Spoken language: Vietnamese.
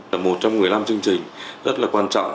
là một trong một mươi năm chương trình rất là quan trọng